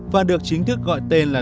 và được chính thức gọi tên là